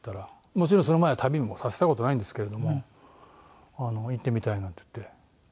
もちろんその前は旅もさせた事ないんですけれども「行ってみたい」なんて言って。